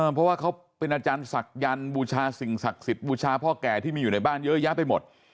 เพราะว่าเขาเป็นอาจารย์ศักยันต์บูชาสิ่งศักดิ์สิทธิ์บูชาพ่อแก่ที่มีอยู่ในบ้านเยอะแยะไปหมด